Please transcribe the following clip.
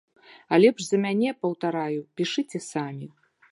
А лепш за мяне, паўтараю, пішыце самі!